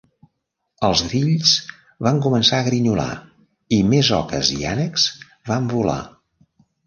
Els grills van començar a grinyolar, i més oques i ànecs van volar.